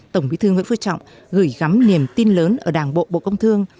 tổng bí thư nguyễn phú trọng gửi gắm niềm tin lớn ở đảng bộ bộ công thương